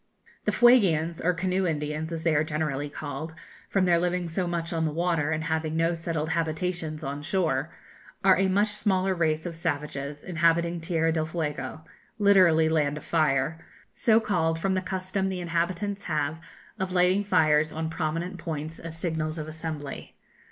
] The Fuegians, or Canoe Indians, as they are generally called, from their living so much on the water, and having no settled habitations on shore, are a much smaller race of savages, inhabiting Tierra del Fuego literally Land of Fire so called from the custom the inhabitants have of lighting fires on prominent points as signals of assembly.